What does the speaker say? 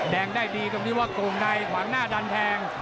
แดงได้ดีตรงที่ว่าโกงในขวางหน้าดันแทง